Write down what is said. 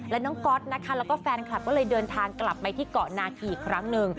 และน้องก๊อตนะคะแล้วก็แฟนคลับก็เลยเดินทางกลับไปที่เกาะนาคีอีกครั้งหนึ่ง